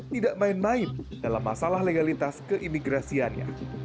tidak main main dalam masalah legalitas keimigrasiannya